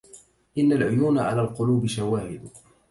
إن العيون على القلوب شواهد